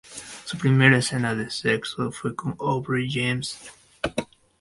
Su primera escena de sexo fue con Aubrey James.